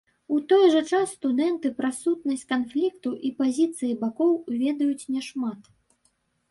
У той жа час студэнты пра сутнасць канфлікту і пазіцыі бакоў ведаюць няшмат.